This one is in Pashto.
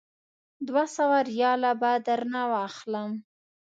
دوه سوه ریاله به درنه واخلم.